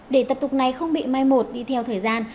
để tập tục này không bị mai một đi theo thời gian